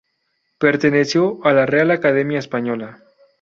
Perteneció a la Real Academia Española.